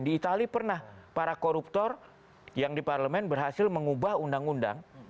di itali pernah para koruptor yang di parlemen berhasil mengubah undang undang